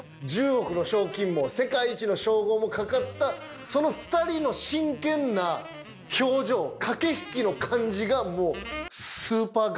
１０億の賞金も世界一の称号も懸かったその２人の真剣な表情駆け引きの感じがもう。